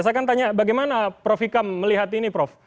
saya akan tanya bagaimana prof hikam melihat ini prof